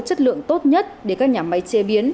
chất lượng tốt nhất để các nhà máy chế biến